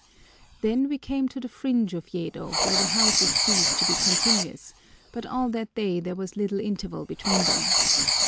Then we came to the fringe of Yedo, where the houses cease to be continuous, but all that day there was little interval between them.